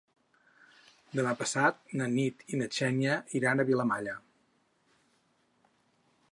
Demà passat na Nit i na Xènia iran a Vilamalla.